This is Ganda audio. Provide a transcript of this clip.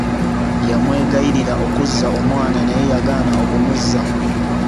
Yamwegayirira okuzza omwana naye yagaana okumuzza.